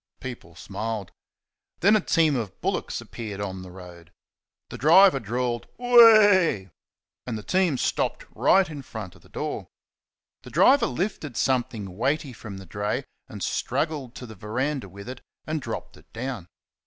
People smiled. Then a team of bullocks appeared on the road. The driver drawled, "Wa a a y!" and the team stopped right in front of the door. The driver lifted something weighty from the dray and struggled to the verandah with it and dropped it down.